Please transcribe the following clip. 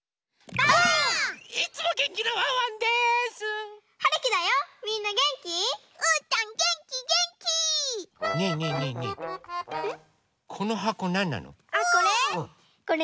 あっこれ？